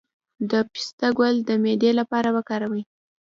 د پسته ګل د معدې لپاره وکاروئ